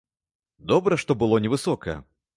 Добра, што было невысока.